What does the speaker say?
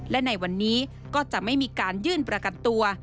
และในวันนี้ก็จะไม่มีการยื่นประกันตัว